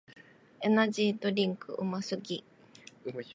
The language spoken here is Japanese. エナジードリンクうますぎ